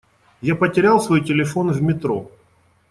Я потерял свой телефон в метро.